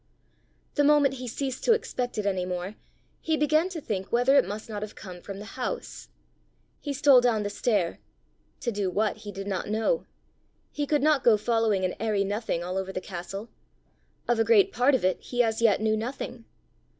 The moment he ceased to expect it any more, he began to think whether it must not have come from the house. He stole down the stair to do what, he did not know. He could not go following an airy nothing all over the castle: of a great part of it he as yet knew nothing!